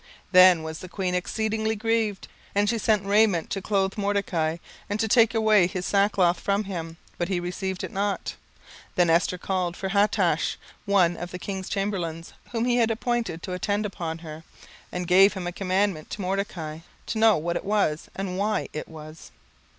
Then was the queen exceedingly grieved; and she sent raiment to clothe Mordecai, and to take away his sackcloth from him: but he received it not. 17:004:005 Then called Esther for Hatach, one of the king's chamberlains, whom he had appointed to attend upon her, and gave him a commandment to Mordecai, to know what it was, and why it was.